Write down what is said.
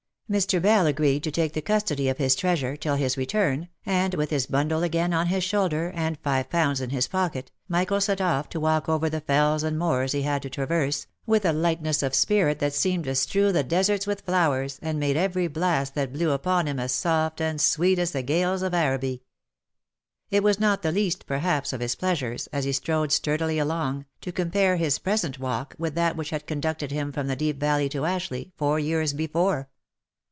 Mr. Bell agreed to take the custody of his treasure, till his return, and with his bundle again on his shoulder, and five pounds in his pocket, Michael set off to walk over the fells and moors he had to traverse, with a lightness of spirit that seemed to strew the deserts with flowers, and made every blast that blew upon him as soft and sweet as the gales of Araby. It was not the least, perhaps, of his pleasures, as he strode sturdily along, to compare his present walk with that which had conducted him from the Deep Valley to Ashleigh, four years be fore.